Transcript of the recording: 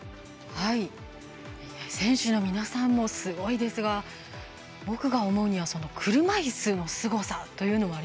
選手の皆さんもすごいですが僕が思うには車いすのすごさというのがありますよね。